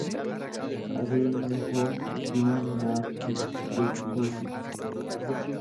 Qabeenya kootu diina naaf bita jechuu ibsa.